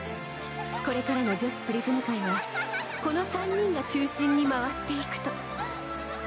これからの女子プリズム界はこの３人が中心に回っていくと。